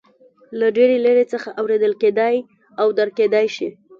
له ډېرې لرې څخه اورېدل کېدای او درک کېدلای شي.